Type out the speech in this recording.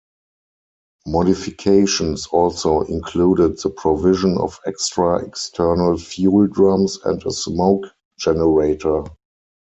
Modifications also included the provision of extra external fuel drums and a smoke generator.